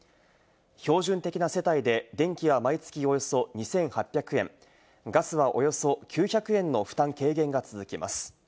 標準的な世帯で、電気は毎月およそ２８００円、ガスはおよそ９００円の負担軽減が続きます。